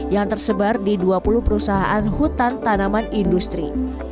yang tersebar di dua puluh perusahaan hutan tanaman industri